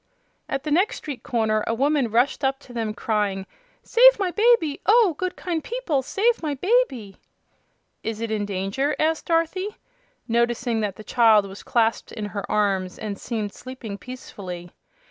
At the next street corner a woman rushed up to them crying: "Save my baby! Oh, good, kind people, save my baby!" "Is it in danger?" asked Dorothy, noticing that the child was clasped in her arms and seemed sleeping peacefully.